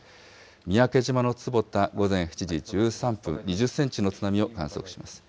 三宅島の坪田、午前７時１３分、２０センチの津波を観測しています。